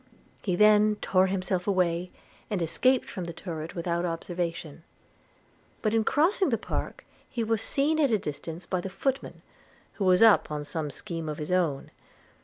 He then tore himself away, and escaped from the turret without observation; but in crossing the park he was seen at a distance by the footman, who was up on some scheme of his own.